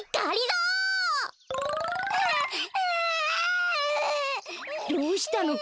どうしたの？